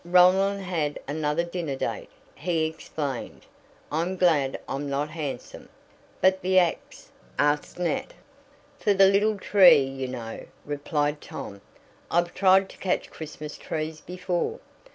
"Roland had another dinner date," he explained. "I'm glad I'm not handsome." "But the ax?" asked Nat "For the little tree, you know," replied Tom. "I've tried to catch Christmas trees before."